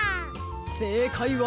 せいかいは。